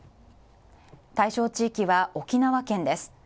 対象地域は沖縄県です。